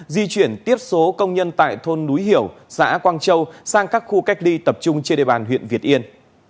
di chuyển tiếp số công nhân tại thôn núi hiểu xã quang châu sang các khu cách ly tập trung trên địa bàn huyện việt yên